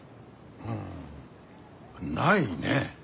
うんないね。